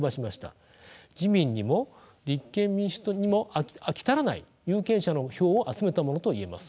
自民にも立憲民主党にも飽き足らない有権者の票を集めたものと言えます。